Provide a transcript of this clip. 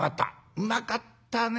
うまかったね。